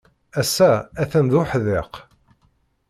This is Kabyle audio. Ass-a, atan d uḥdiq.